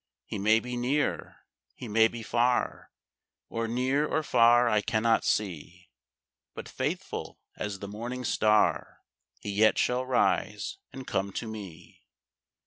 He may be near, he may be far, Or near or far I cannot see, But faithful as the morning star He yet shall rise and come to me.